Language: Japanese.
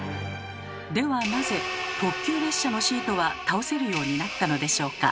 ではなぜ特急列車のシートは倒せるようになったのでしょうか？